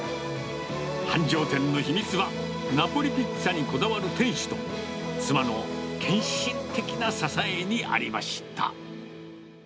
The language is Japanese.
繁盛店の秘密は、ナポリピッツァにこだわる店主と、妻の献身的な支えにありました。